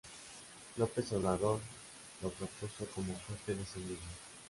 López Obrador, lo propuso como jefe de su seguridad.